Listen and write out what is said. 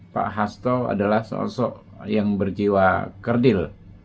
pak hasto adalah sosok yang berjiwa kerdil